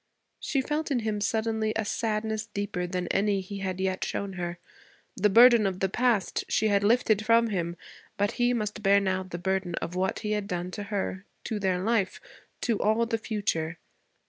She felt in him suddenly a sadness deeper than any he had yet shown her. The burden of the past she had lifted from him; but he must bear now the burden of what he had done to her, to their life, to all the future.